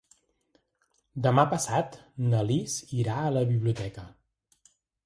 Demà passat na Lis irà a la biblioteca.